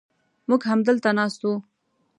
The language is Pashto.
موږ همدلته ناست و.